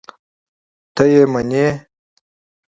ته یې منې؟!